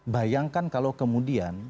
bayangkan kalau kemudian